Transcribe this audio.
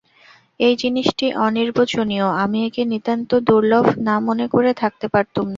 এই জিনিসটি অনির্বচনীয়, আমি একে নিতান্ত দুর্লভ না মনে করে থাকতে পারতুম না।